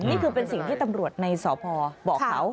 นี่คือเป็นสิ่งที่ตำรวจในสพบอกเขา